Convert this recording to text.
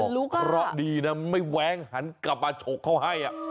เพราะดีนะไม่แว้งหันกลับมาฉกเขาให้